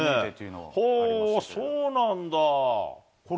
はー、そうなんだ。